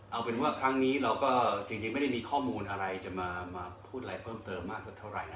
เอาเป็นว่าครั้งนี้เราก็จริงไม่ได้มีข้อมูลอะไรจะมาพูดอะไรเพิ่มเติมมากสักเท่าไหร่